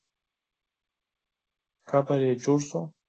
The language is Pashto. قبر یې جوړ سو.